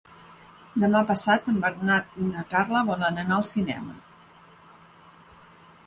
Demà passat en Bernat i na Carla volen anar al cinema.